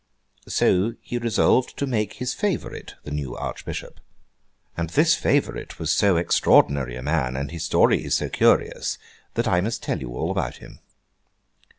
So, he resolved to make his favourite, the new Archbishop; and this favourite was so extraordinary a man, and his story is so curious, that I must tell you all about him.